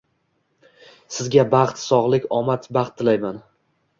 Sizga baxt sog'lik, omad, baxt tilayman!